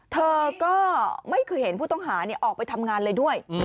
เธอก็ไม่เคยเห็นผู้ต้องหาออกไปทำงานเลยด้วย